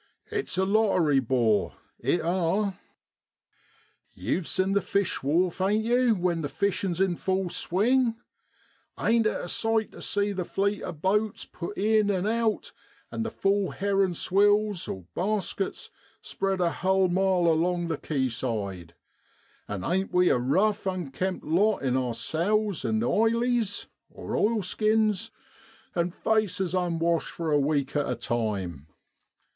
It's a lottery, 'bor, it are. * Yew've seen the Fish wharf, ain't yew, when the fishin's in full swing ? Ain't it a sight tu see the fleet of boats put in an' out, and the full herrin' swills (baskets) 128 NOVEMBER IN BROADLAND. spread a hull (whole) mile along the quayside ? An' ain't we a rough, unkempt lot in our sou's an' ileys (oilskins), and faces unwashed for a week at a time?